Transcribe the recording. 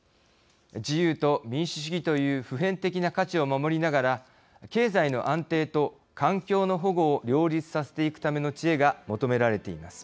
自由と民主主義という普遍的な価値を守りながら経済の安定と環境の保護を両立させていくための知恵が求められています。